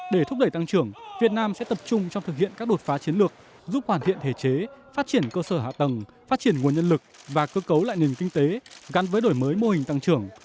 để thúc đẩy tăng trưởng việt nam sẽ tập trung trong thực hiện các đột phá chiến lược giúp hoàn thiện thể chế phát triển cơ sở hạ tầng phát triển nguồn nhân lực và cơ cấu lại nền kinh tế gắn với đổi mới mô hình tăng trưởng